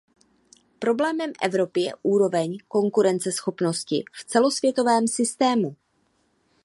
Problémem Evropy je úroveň konkurenceschopnosti v celosvětovém systému.